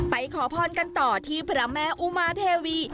ขอพรกันต่อที่พระแม่อุมาเทวี